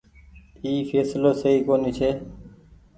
اي ڦيسلو سئي ڪونيٚ ڇي۔